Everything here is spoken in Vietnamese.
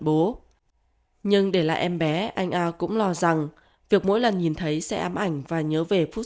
bố nhưng để lại em bé anh a cũng lo rằng việc mỗi lần nhìn thấy sẽ ám ảnh và nhớ về phút